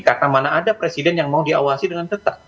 karena mana ada presiden yang mau diawasi dengan tetap